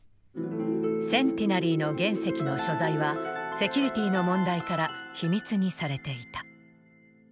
センティナリーの原石の所在はセキュリティーの問題から秘密にされていた。